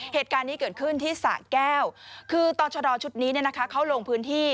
เหตุการณ์นี้เกิดขึ้นที่สะแก้วคือต่อชะดอชุดนี้เขาลงพื้นที่